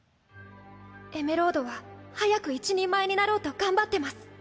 エメロードは早く一人前になろうと頑張ってます。